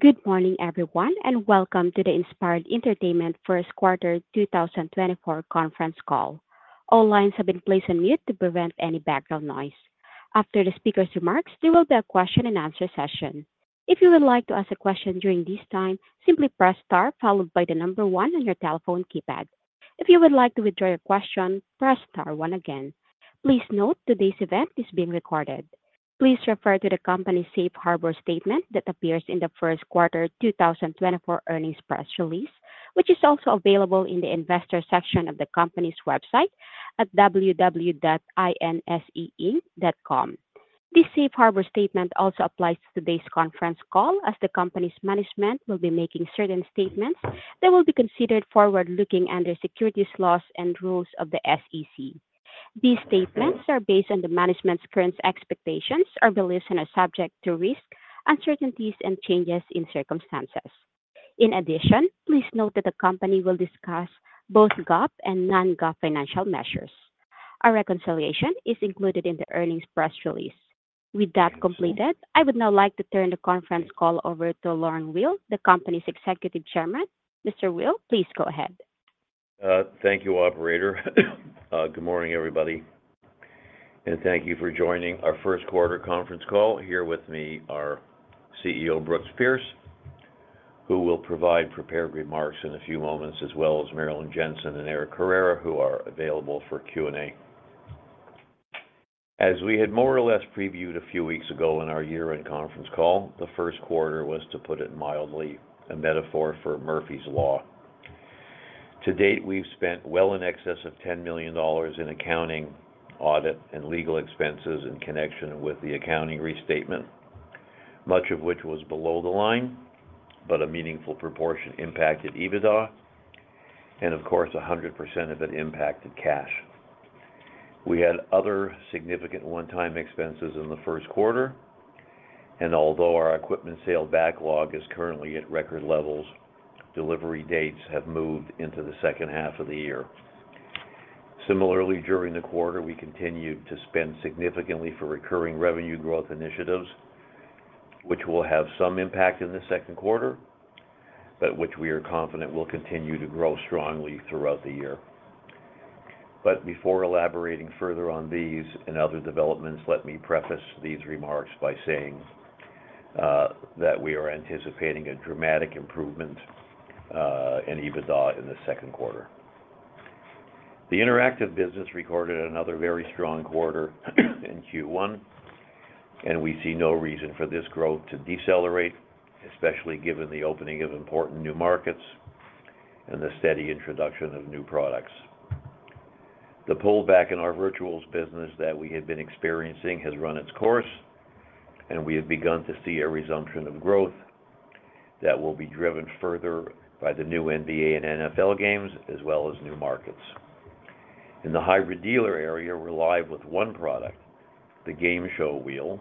Good morning, everyone, and welcome to the Inspired Entertainment first quarter 2024 conference call. All lines have been placed on mute to prevent any background noise. After the speaker's remarks, there will be a question-and-answer session. If you would like to ask a question during this time, simply press star followed by the number one on your telephone keypad. If you would like to withdraw your question, press star one again. Please note today's event is being recorded. Please refer to the company's safe harbor statement that appears in the first quarter 2024 earnings press release, which is also available in the Investor section of the company's website at www.inse.com. This safe harbor statement also applies to today's conference call as the company's management will be making certain statements that will be considered forward-looking under securities laws and rules of the SEC. These statements are based on the management's current expectations or beliefs and are subject to risk, uncertainties, and changes in circumstances. In addition, please note that the company will discuss both GAAP and non-GAAP financial measures. A reconciliation is included in the earnings press release. With that completed, I would now like to turn the conference call over to Lorne Weil, the company's Executive Chairman. Mr. Weil, please go ahead. Thank you, operator. Good morning, everybody, and thank you for joining our first quarter conference call. Here with me are CEO Brooks Pierce, who will provide prepared remarks in a few moments, as well as Marilyn Jentzen and Eric Carrera, who are available for Q&A. As we had more or less previewed a few weeks ago in our year-end conference call, the first quarter was, to put it mildly, a metaphor for Murphy's Law. To date, we've spent well in excess of $10 million in accounting, audit, and legal expenses in connection with the accounting restatement, much of which was below the line, but a meaningful proportion impacted EBITDA, and of course, 100% of it impacted cash. We had other significant one-time expenses in the first quarter, and although our equipment sale backlog is currently at record levels, delivery dates have moved into the second half of the year. Similarly, during the quarter, we continued to spend significantly for recurring revenue growth initiatives, which will have some impact in the second quarter but which we are confident will continue to grow strongly throughout the year. But before elaborating further on these and other developments, let me preface these remarks by saying that we are anticipating a dramatic improvement in EBITDA in the second quarter. The interactive business recorded another very strong quarter in Q1, and we see no reason for this growth to decelerate, especially given the opening of important new markets and the steady introduction of new products. The pullback in our Virtuals business that we had been experiencing has run its course, and we have begun to see a resumption of growth that will be driven further by the new NBA and NFL games as well as new markets. In the Hybrid Dealer area, we're live with one product, the Game Show Wheel,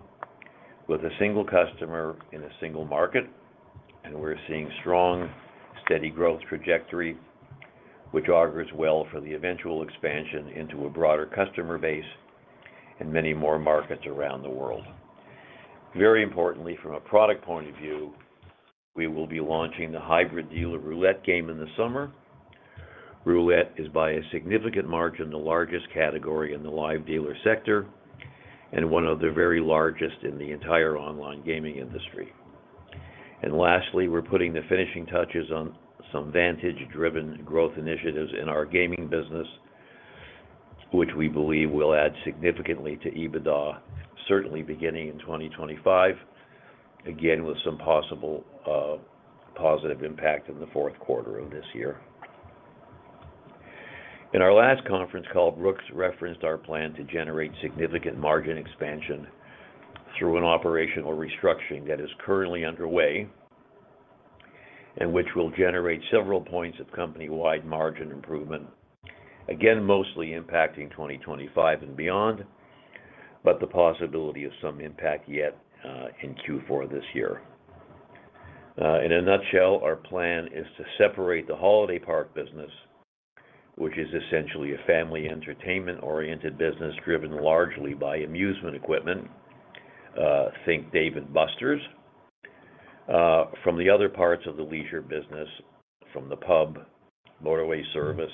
with a single customer in a single market, and we're seeing strong, steady growth trajectory which augurs well for the eventual expansion into a broader customer base and many more markets around the world. Very importantly, from a product point of view, we will be launching the Hybrid Dealer Roulette game in the summer. Roulette is, by a significant margin, the largest category in the live dealer sector and one of the very largest in the entire online gaming industry. And lastly, we're putting the finishing touches on some Vantage-driven growth initiatives in our gaming business which we believe will add significantly to EBITDA, certainly beginning in 2025, again with some possible positive impact in the fourth quarter of this year. In our last conference call, Brooks referenced our plan to generate significant margin expansion through an operational restructuring that is currently underway and which will generate several points of company-wide margin improvement, again mostly impacting 2025 and beyond, but the possibility of some impact yet in Q4 this year. In a nutshell, our plan is to separate the holiday park business, which is essentially a family entertainment-oriented business driven largely by amusement equipment, think Dave & Buster's, from the other parts of the leisure business, from the pub, motorway service,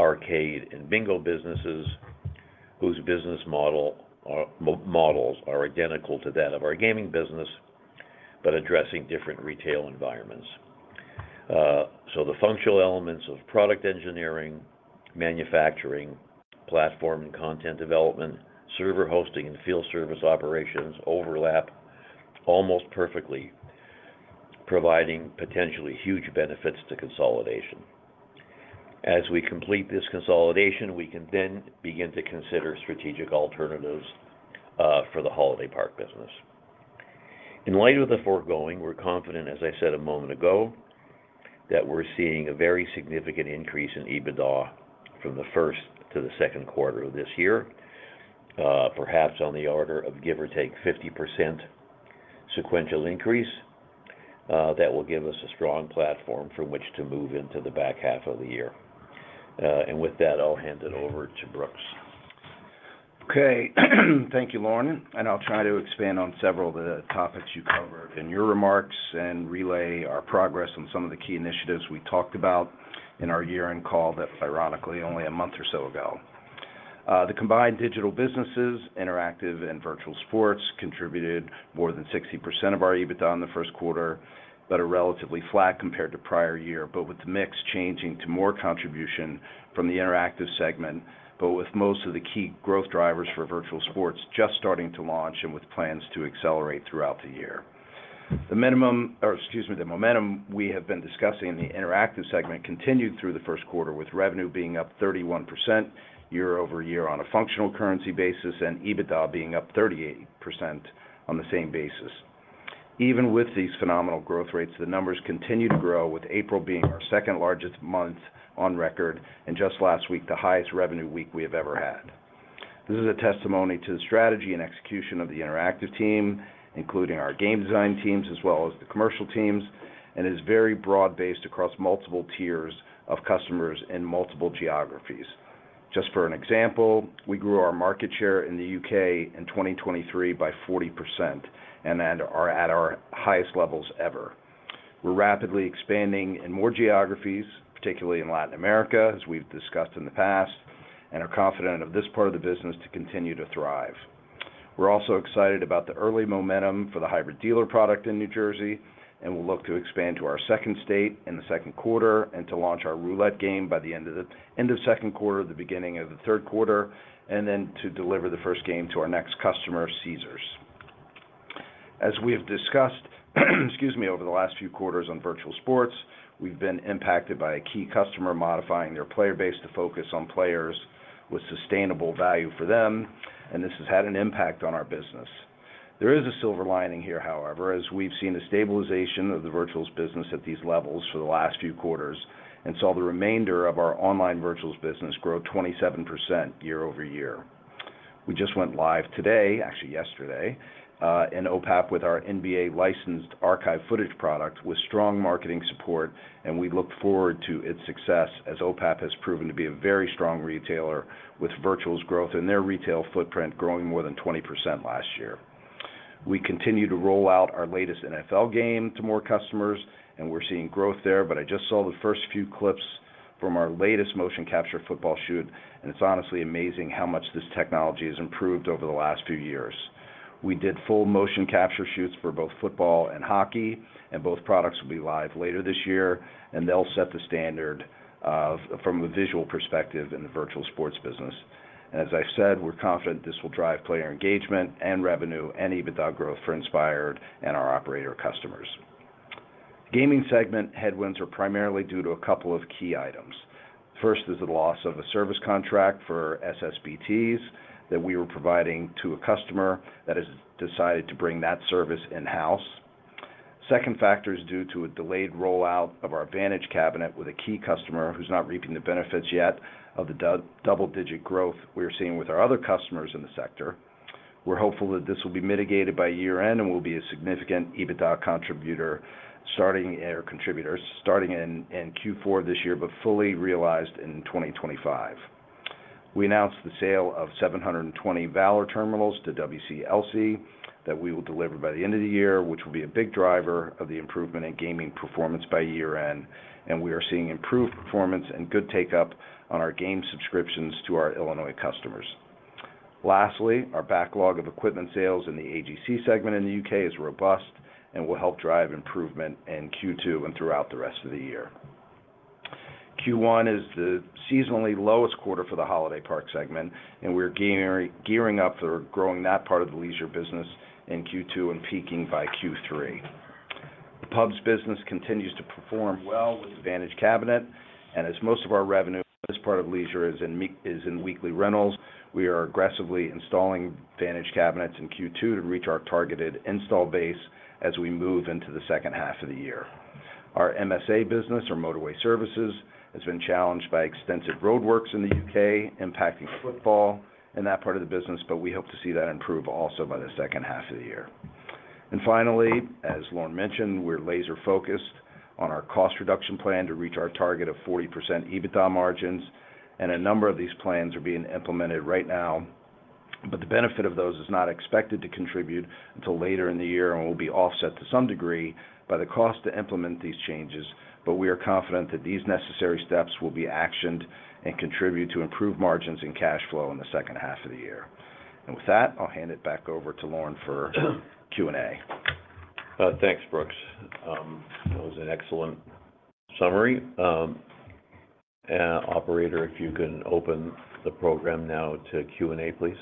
arcade, and bingo businesses whose business models are identical to that of our gaming business but addressing different retail environments. The functional elements of product engineering, manufacturing, platform and content development, server hosting, and field service operations overlap almost perfectly, providing potentially huge benefits to consolidation. As we complete this consolidation, we can then begin to consider strategic alternatives for the holiday park business. In light of the foregoing, we're confident, as I said a moment ago, that we're seeing a very significant increase in EBITDA from the first to the second quarter of this year, perhaps on the order of give or take 50% sequential increase that will give us a strong platform from which to move into the back half of the year. With that, I'll hand it over to Brooks. Okay. Thank you, Lorne. I'll try to expand on several of the topics you covered in your remarks and relay our progress on some of the key initiatives we talked about in our year-end call that, ironically, only a month or so ago. The combined digital businesses, interactive, and virtual sports contributed more than 60% of our EBITDA in the first quarter but are relatively flat compared to prior year, but with the mix changing to more contribution from the interactive segment but with most of the key growth drivers for virtual sports just starting to launch and with plans to accelerate throughout the year. Excuse me, the momentum we have been discussing in the interactive segment continued through the first quarter, with revenue being up 31% year-over-year on a functional currency basis and EBITDA being up 38% on the same basis. Even with these phenomenal growth rates, the numbers continue to grow, with April being our second largest month on record and just last week the highest revenue week we have ever had. This is a testimony to the strategy and execution of the interactive team, including our game design teams as well as the commercial teams, and is very broad-based across multiple tiers of customers in multiple geographies. Just for an example, we grew our market share in the U.K. in 2023 by 40% and are at our highest levels ever. We're rapidly expanding in more geographies, particularly in Latin America, as we've discussed in the past, and are confident of this part of the business to continue to thrive. We're also excited about the early momentum for the Hybrid Dealer product in New Jersey, and we'll look to expand to our second state in the second quarter and to launch our roulette game by the end of second quarter, the beginning of the third quarter, and then to deliver the first game to our next customer, Caesars. As we have discussed, excuse me, over the last few quarters on virtual sports, we've been impacted by a key customer modifying their player base to focus on players with sustainable value for them, and this has had an impact on our business. There is a silver lining here, however, as we've seen a stabilization of the Virtuals business at these levels for the last few quarters and saw the remainder of our online Virtuals business grow 27% year-over-year. We just went live today, actually yesterday, in OPAP with our NBA-licensed archive footage product with strong marketing support, and we look forward to its success as OPAP has proven to be a very strong retailer with Virtuals growth and their retail footprint growing more than 20% last year. We continue to roll out our latest NFL game to more customers, and we're seeing growth there, but I just saw the first few clips from our latest motion capture football shoot, and it's honestly amazing how much this technology has improved over the last few years. We did full motion capture shoots for both football and hockey, and both products will be live later this year, and they'll set the standard from a visual perspective in the virtual sports business. And as I said, we're confident this will drive player engagement and revenue and EBITDA growth for Inspired and our operator customers. Gaming segment headwinds are primarily due to a couple of key items. First is the loss of a service contract for SSBTs that we were providing to a customer that has decided to bring that service in-house. Second factor is due to a delayed rollout of our Vantage cabinet with a key customer who's not reaping the benefits yet of the double-digit growth we're seeing with our other customers in the sector. We're hopeful that this will be mitigated by year-end and will be a significant EBITDA contributor starting in Q4 this year but fully realized in 2025. We announced the sale of 720 Valor terminals to WCLC that we will deliver by the end of the year, which will be a big driver of the improvement in gaming performance by year-end, and we are seeing improved performance and good take-up on our game subscriptions to our Illinois customers. Lastly, our backlog of equipment sales in the AGC segment in the U.K. is robust and will help drive improvement in Q2 and throughout the rest of the year. Q1 is the seasonally lowest quarter for the holiday park segment, and we're gearing up for growing that part of the leisure business in Q2 and peaking by Q3. The pub's business continues to perform well with the Vantage cabinet, and as most of our revenue for this part of leisure is in weekly rentals, we are aggressively installing Vantage cabinets in Q2 to reach our targeted install base as we move into the second half of the year. Our MSA business, our motorway services, has been challenged by extensive roadworks in the U.K. impacting footfall in that part of the business, but we hope to see that improve also by the second half of the year. And finally, as Lorne mentioned, we're laser-focused on our cost reduction plan to reach our target of 40% EBITDA margins, and a number of these plans are being implemented right now, but the benefit of those is not expected to contribute until later in the year and will be offset to some degree by the cost to implement these changes, but we are confident that these necessary steps will be actioned and contribute to improved margins and cash flow in the second half of the year. And with that, I'll hand it back over to Lorne for Q&A. Thanks, Brooks. That was an excellent summary. Operator, if you can open the program now to Q&A, please.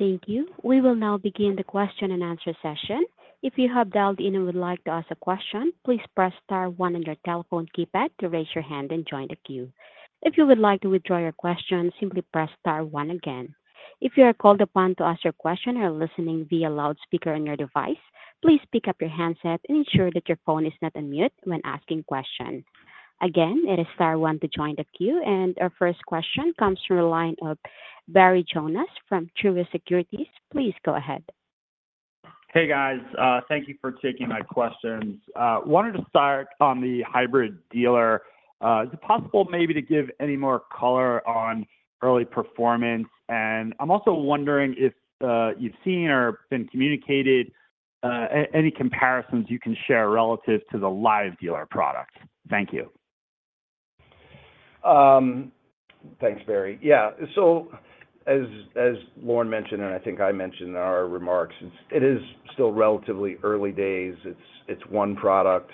Thank you. We will now begin the question-and-answer session. If you have dialed in and would like to ask a question, please press star one on your telephone keypad to raise your hand and join the queue. If you would like to withdraw your question, simply press star one again. If you are called upon to ask your question or listening via loudspeaker on your device, please pick up your handset and ensure that your phone is not unmuted when asking questions. Again, it is star one to join the queue, and our first question comes from the line of Barry Jonas from Truist Securities. Please go ahead. Hey, guys. Thank you for taking my questions. Wanted to start on the Hybrid Dealer. Is it possible maybe to give any more color on early performance? And I'm also wondering if you've seen or been communicated any comparisons you can share relative to the live dealer product. Thank you. Thanks, Barry. Yeah. So as Lorne mentioned, and I think I mentioned in our remarks, it is still relatively early days. It's one product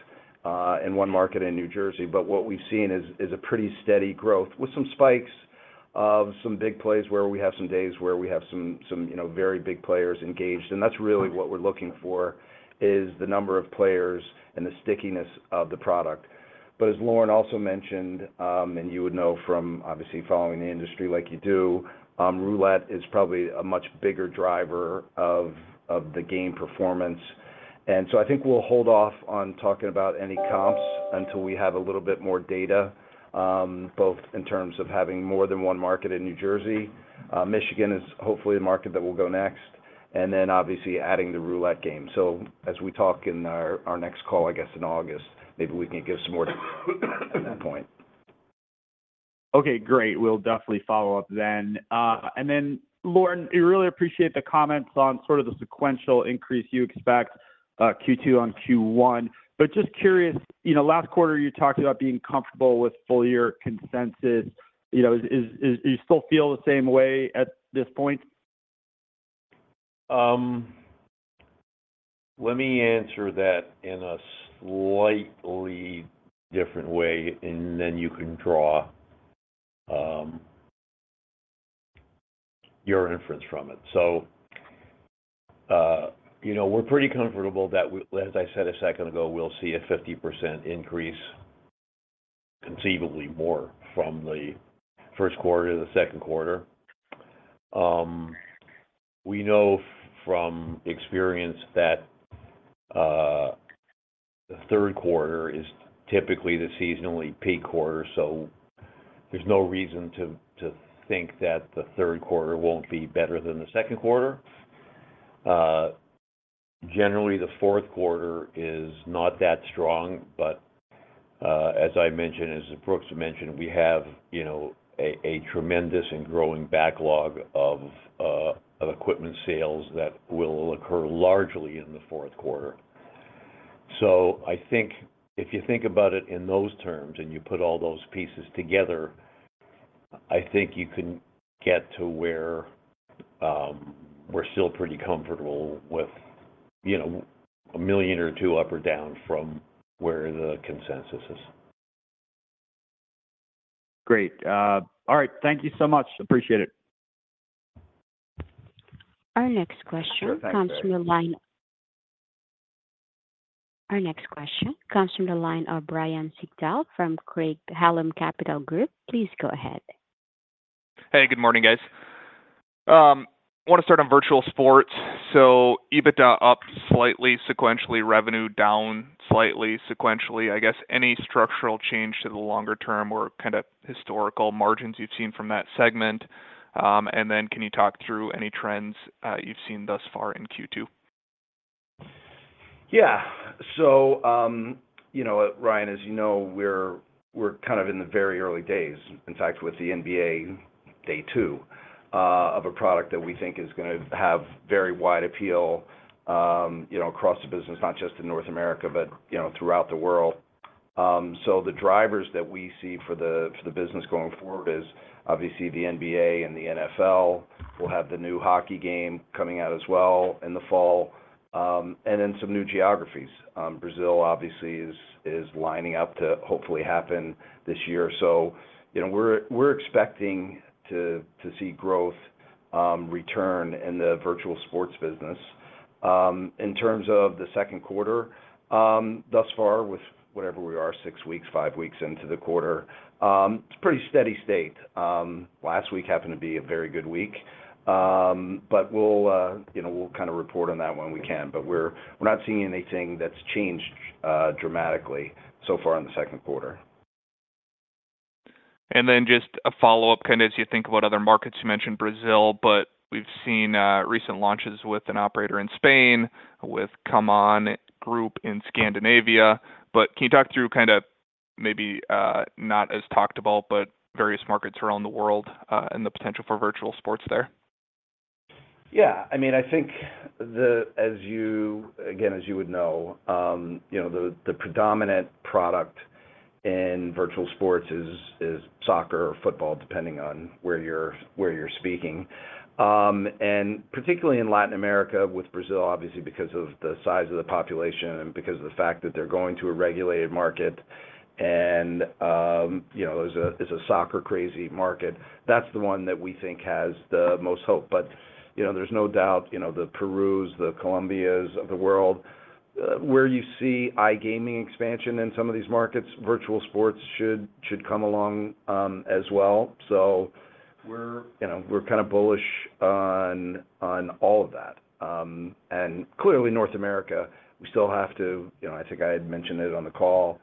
in one market in New Jersey, but what we've seen is a pretty steady growth with some spikes of some big players where we have some days where we have some very big players engaged. And that's really what we're looking for, is the number of players and the stickiness of the product. But as Lorne also mentioned, and you would know from obviously following the industry like you do, roulette is probably a much bigger driver of the game performance. And so I think we'll hold off on talking about any comps until we have a little bit more data, both in terms of having more than one market in New Jersey. Michigan is hopefully the market that will go next, and then obviously adding the roulette game. So as we talk in our next call, I guess in August, maybe we can give some more detail at that point. Okay. Great. We'll definitely follow up then. And then, Lorne, we really appreciate the comments on sort of the sequential increase you expect Q2 on Q1. But just curious, last quarter, you talked about being comfortable with full-year consensus. Do you still feel the same way at this point? Let me answer that in a slightly different way, and then you can draw your inference from it. So we're pretty comfortable that, as I said a second ago, we'll see a 50% increase, conceivably more from the first quarter to the second quarter. We know from experience that the third quarter is typically the seasonally peak quarter, so there's no reason to think that the third quarter won't be better than the second quarter. Generally, the fourth quarter is not that strong, but as I mentioned, as Brooks mentioned, we have a tremendous and growing backlog of equipment sales that will occur largely in the fourth quarter. So I think if you think about it in those terms and you put all those pieces together, I think you can get to where we're still pretty comfortable with $1 million or $2 million up or down from where the consensus is. Great. All right. Thank you so much. Appreciate it. Our next question comes from the line of Ryan Sigdahl from Craig-Hallum Capital Group. Please go ahead. Hey. Good morning, guys. Want to start on virtual sports. So EBITDA up slightly, sequentially. Revenue down slightly, sequentially. I guess any structural change to the longer term or kind of historical margins you've seen from that segment? And then can you talk through any trends you've seen thus far in Q2? Yeah. So, Ryan, as you know, we're kind of in the very early days, in fact, with the NBA day two of a product that we think is going to have very wide appeal across the business, not just in North America but throughout the world. So the drivers that we see for the business going forward is obviously the NBA and the NFL. We'll have the new hockey game coming out as well in the fall and then some new geographies. Brazil, obviously, is lining up to hopefully happen this year. So we're expecting to see growth return in the virtual sports business. In terms of the second quarter thus far, with whatever we are, six weeks, five weeks into the quarter, it's a pretty steady state. Last week happened to be a very good week, but we'll kind of report on that when we can. But we're not seeing anything that's changed dramatically so far in the second quarter. Then just a follow-up kind of as you think about other markets. You mentioned Brazil, but we've seen recent launches with an operator in Spain, with ComeOn Group in Scandinavia. But can you talk through kind of maybe not as talked about, but various markets around the world and the potential for Virtual Sports there? Yeah. I mean, I think, again, as you would know, the predominant product in virtual sports is soccer or football, depending on where you're speaking. And particularly in Latin America with Brazil, obviously, because of the size of the population and because of the fact that they're going to a regulated market and it's a soccer-crazy market, that's the one that we think has the most hope. But there's no doubt the Perus, the Colombias of the world, where you see iGaming expansion in some of these markets, virtual sports should come along as well. So we're kind of bullish on all of that. And clearly, North America, we still have to, I think I had mentioned it on the call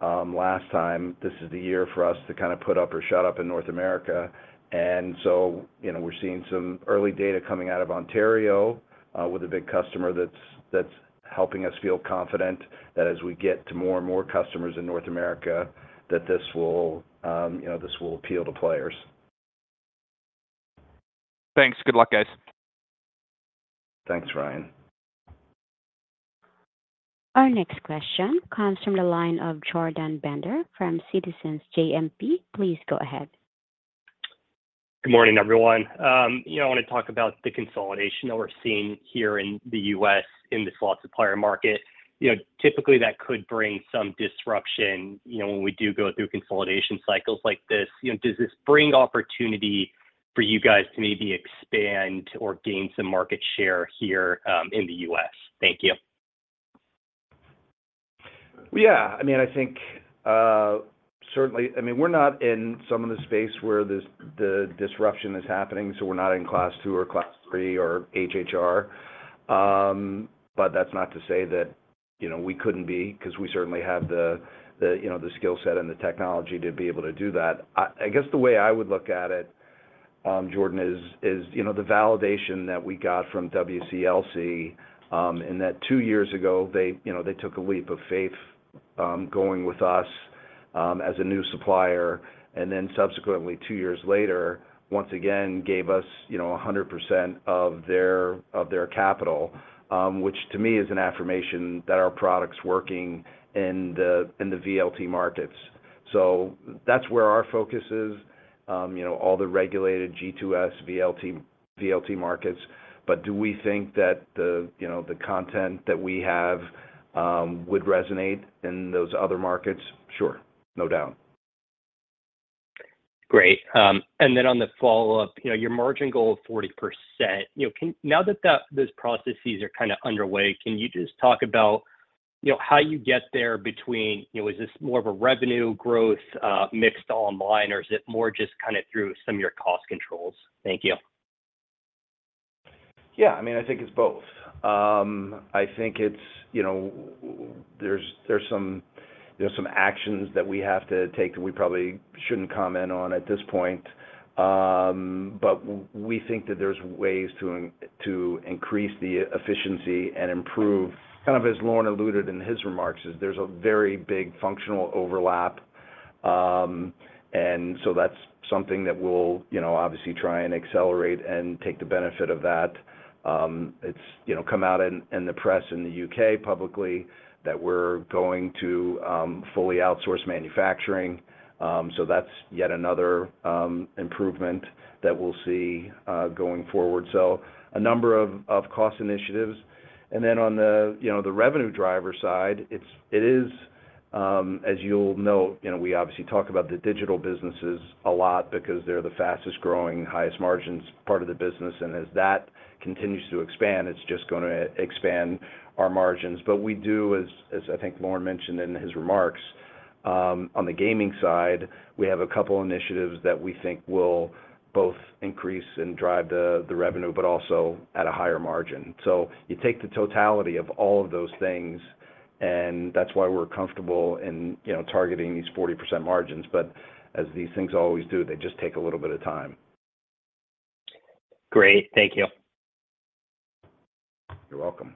last time. This is the year for us to kind of put up or shut up in North America. And so we're seeing some early data coming out of Ontario with a big customer that's helping us feel confident that as we get to more and more customers in North America, that this will appeal to players. Thanks. Good luck, guys. Thanks, Ryan. Our next question comes from the line of Jordan Bender from Citizens JMP. Please go ahead. Good morning, everyone. I want to talk about the consolidation that we're seeing here in the U.S. in this lots of player market. Typically, that could bring some disruption when we do go through consolidation cycles like this. Does this bring opportunity for you guys to maybe expand or gain some market share here in the U.S.? Thank you. Yeah. I mean, I think certainly I mean, we're not in some of the space where the disruption is happening, so we're not in Class II or Class III or HHR. But that's not to say that we couldn't be because we certainly have the skill set and the technology to be able to do that. I guess the way I would look at it, Jordan, is the validation that we got from WCLC in that two years ago, they took a leap of faith going with us as a new supplier and then subsequently, two years later, once again, gave us 100% of their capital, which to me is an affirmation that our product's working in the VLT markets. So that's where our focus is, all the regulated G2S, VLT markets. But do we think that the content that we have would resonate in those other markets? Sure. No doubt. Great. On the follow-up, your margin goal of 40%, now that those processes are kind of underway, can you just talk about how you get there between is this more of a revenue growth mixed online, or is it more just kind of through some of your cost controls? Thank you. Yeah. I mean, I think it's both. I think there's some actions that we have to take that we probably shouldn't comment on at this point. But we think that there's ways to increase the efficiency and improve kind of as Lorne alluded in his remarks, is there's a very big functional overlap. And so that's something that we'll obviously try and accelerate and take the benefit of that. It's come out in the press in the U.K. publicly that we're going to fully outsource manufacturing. So that's yet another improvement that we'll see going forward. So a number of cost initiatives. And then on the revenue driver side, it is, as you'll note, we obviously talk about the digital businesses a lot because they're the fastest growing, highest margins part of the business. And as that continues to expand, it's just going to expand our margins. But we do, as I think Lorne mentioned in his remarks, on the gaming side, we have a couple of initiatives that we think will both increase and drive the revenue but also at a higher margin. So you take the totality of all of those things, and that's why we're comfortable in targeting these 40% margins. But as these things always do, they just take a little bit of time. Great. Thank you. You're welcome.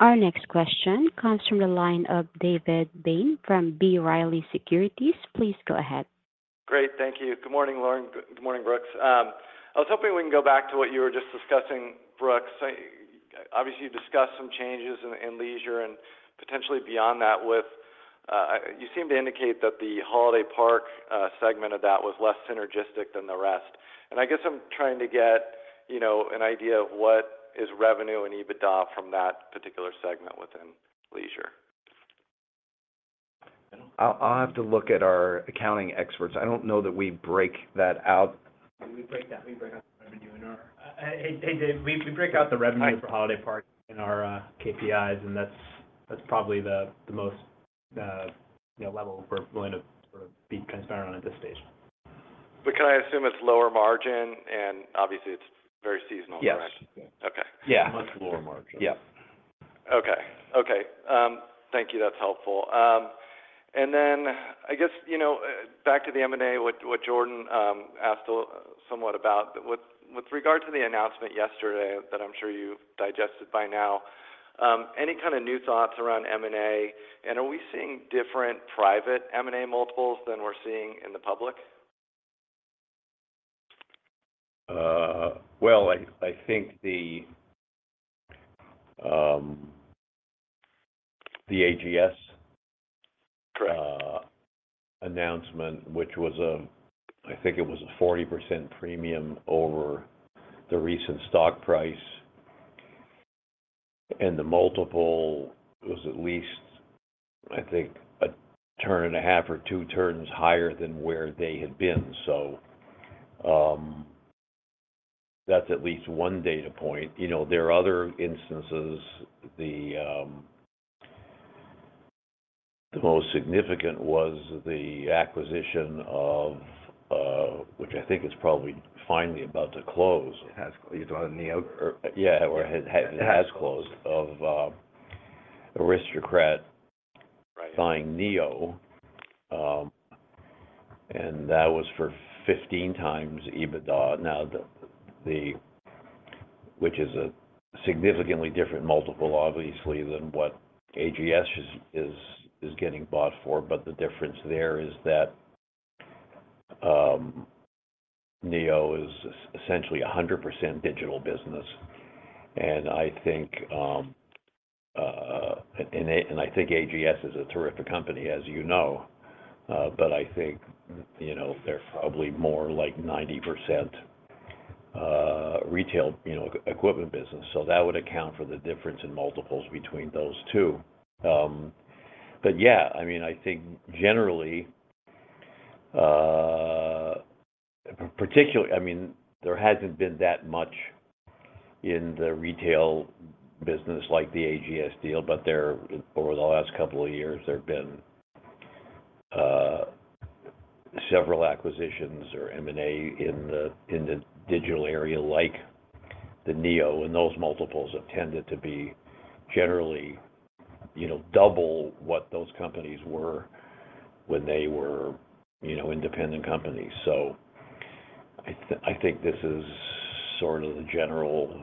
Our next question comes from the line of David Bain from B. Riley Securities. Please go ahead. Great. Thank you. Good morning, Lorne. Good morning, Brooks. I was hoping we can go back to what you were just discussing, Brooks. Obviously, you discussed some changes in leisure and potentially beyond that with you seem to indicate that the holiday park segment of that was less synergistic than the rest. I guess I'm trying to get an idea of what is revenue and EBITDA from that particular segment within leisure? I'll have to look at our accounting experts. I don't know that we break that out. We break out the revenue in our KPIs, hey, David. We break out the revenue for holiday parks in our KPIs, and that's probably the most level we're willing to sort of be transparent on at this stage. Can I assume it's lower margin, and obviously, it's very seasonal, correct? Yeah. Much lower margin. Yep. Okay. Okay. Thank you. That's helpful. And then I guess back to the M&A, what Jordan asked somewhat about. With regard to the announcement yesterday that I'm sure you've digested by now, any kind of new thoughts around M&A? And are we seeing different private M&A multiples than we're seeing in the public? Well, I think the AGS announcement, which was, I think, a 40% premium over the recent stock price. The multiple was at least, I think, 1.5 turns or 2 turns higher than where they had been. So that's at least one data point. There are other instances. The most significant was the acquisition of which I think is probably finally about to close. It has closed. You're talking about Neo? Yeah. It has closed of Aristocrat buying Neo. And that was for 15x EBITDA, which is a significantly different multiple, obviously, than what AGS is getting bought for. But the difference there is that Neo is essentially 100% digital business. And I think AGS is a terrific company, as you know. But I think they're probably more like 90% retail equipment business. So that would account for the difference in multiples between those two. But yeah, I mean, I think generally, particularly I mean, there hasn't been that much in the retail business like the AGS deal. But over the last couple of years, there have been several acquisitions or M&A in the digital area like the Neo. And those multiples have tended to be generally double what those companies were when they were independent companies. So I think this is sort of the general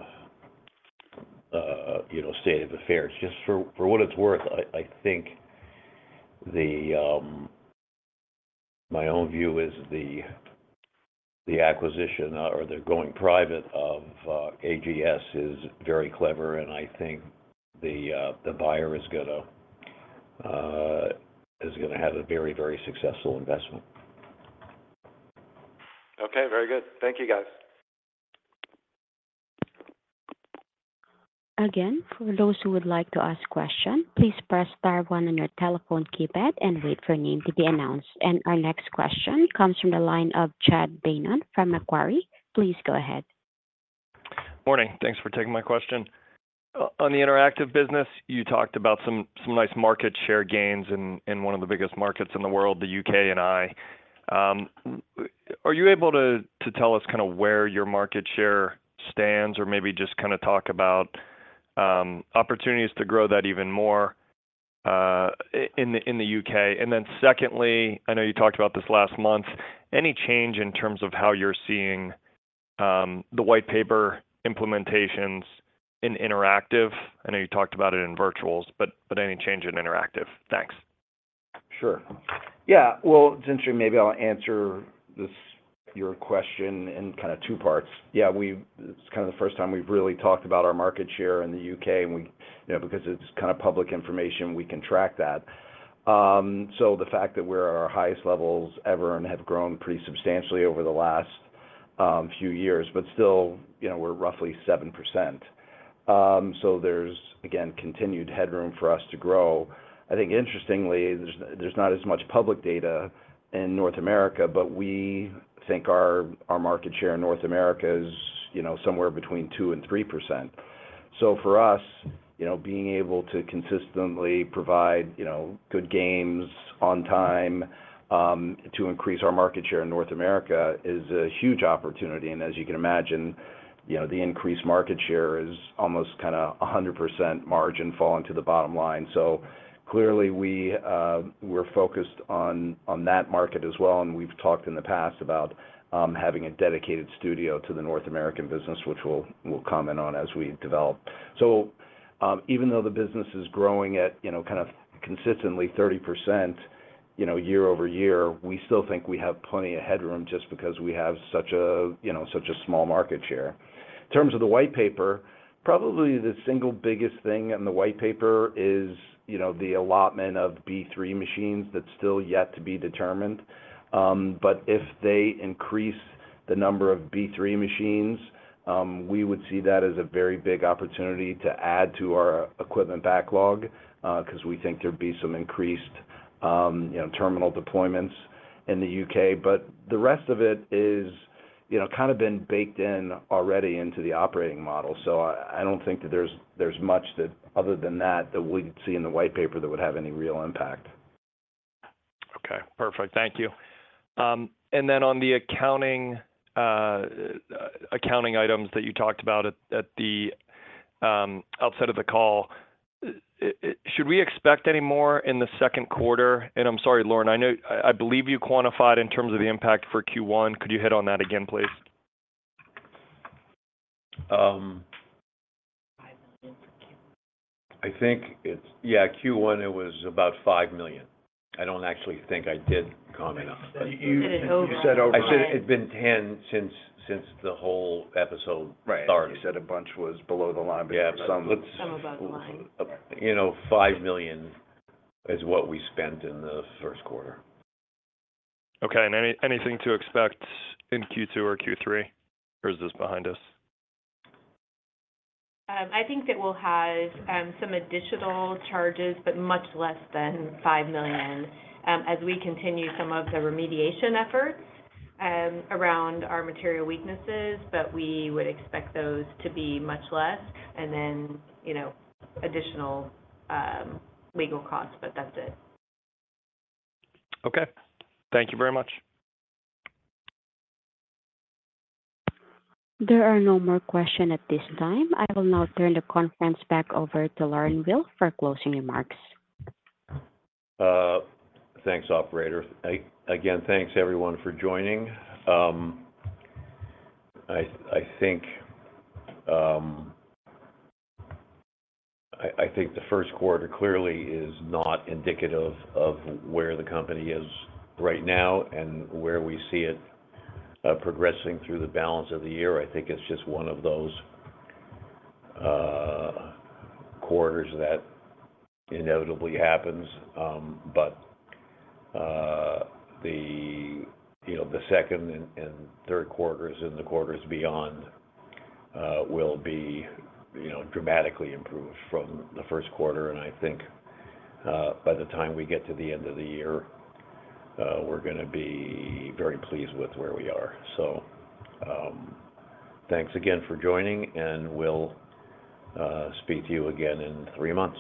state of affairs. Just for what it's worth, I think my own view is the acquisition or the going private of AGS is very clever. I think the buyer is going to have a very, very successful investment. Okay. Very good. Thank you, guys. Again, for those who would like to ask questions, please press star one on your telephone keypad and wait for name to be announced. Our next question comes from the line of Chad Beynon from Macquarie. Please go ahead. Morning. Thanks for taking my question. On the Interactive business, you talked about some nice market share gains in one of the biggest markets in the world, the U.K. and iGaming. Are you able to tell us kind of where your market share stands or maybe just kind of talk about opportunities to grow that even more in the U.K.? Then secondly, I know you talked about this last month, any change in terms of how you're seeing the White Paper implementation in interactive? I know you talked about it in Virtuals, but any change in interactive? Thanks. Sure. Yeah. Well, Jordan, maybe I'll answer your question in kind of two parts. Yeah. It's kind of the first time we've really talked about our market share in the U.K. because it's kind of public information. We can track that. So the fact that we're at our highest levels ever and have grown pretty substantially over the last few years, but still, we're roughly 7%. So there's, again, continued headroom for us to grow. I think, interestingly, there's not as much public data in North America, but we think our market share in North America is somewhere between 2%-3%. So for us, being able to consistently provide good games on time to increase our market share in North America is a huge opportunity. And as you can imagine, the increased market share is almost kind of 100% margin falling to the bottom line. So clearly, we're focused on that market as well. We've talked in the past about having a dedicated studio to the North American business, which we'll comment on as we develop. Even though the business is growing at kind of consistently 30% year-over-year, we still think we have plenty of headroom just because we have such a small market share. In terms of the White Paper, probably the single biggest thing in the White Paper is the allotment of B3 machines that's still yet to be determined. But if they increase the number of B3 machines, we would see that as a very big opportunity to add to our equipment backlog because we think there'd be some increased terminal deployments in the U.K. But the rest of it has kind of been baked in already into the operating model. I don't think that there's much other than that that we'd see in the White Paper that would have any real impact. Okay. Perfect. Thank you. And then on the accounting items that you talked about outside of the call, should we expect any more in the second quarter? And I'm sorry, Lorne. I believe you quantified in terms of the impact for Q1. Could you hit on that again, please? $5 million for Q1. I think it's yeah, Q1, it was about $5 million. I don't actually think I did comment on that. You said it over. You said over. I said it's been 10 since the whole episode started. Right. You said a bunch was below the line, but some was. Yeah. Some above the line. $5 million is what we spent in the first quarter. Okay. And anything to expect in Q2 or Q3, or is this behind us? I think that we'll have some additional charges, but much less than $5 million as we continue some of the remediation efforts around our material weaknesses. But we would expect those to be much less. And then additional legal costs, but that's it. Okay. Thank you very much. There are no more questions at this time. I will now turn the conference back over to Lorne Weil for closing remarks. Thanks, operator. Again, thanks, everyone, for joining. I think the first quarter clearly is not indicative of where the company is right now and where we see it progressing through the balance of the year. I think it's just one of those quarters that inevitably happens. But the second and third quarters and the quarters beyond will be dramatically improved from the first quarter. And I think by the time we get to the end of the year, we're going to be very pleased with where we are. So thanks again for joining, and we'll speak to you again in three months.